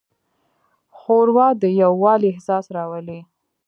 ښوروا د یووالي احساس راولي.